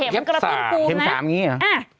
เห็มกระตุ้นภูมินะ